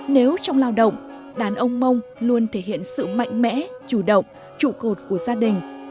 nếu trong lao động đàn ông mông luôn thể hiện sự mạnh mẽ chủ động trụ cột của gia đình